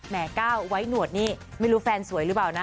ก้าวไว้หนวดนี่ไม่รู้แฟนสวยหรือเปล่านะ